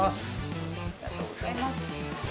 ありがとうございます。